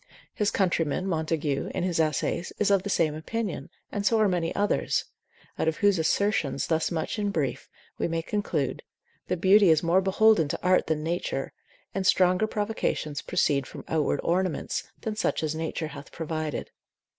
His countryman, Montague, in his essays, is of the same opinion, and so are many others; out of whose assertions thus much in brief we may conclude, that beauty is more beholden to art than nature, and stronger provocations proceed from outward ornaments, than such as nature hath provided.